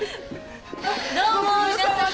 どうも皆さん。